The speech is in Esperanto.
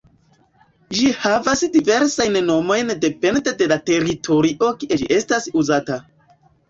Ĝi havas diversajn nomojn depende de la teritorio kie ĝi estas uzata.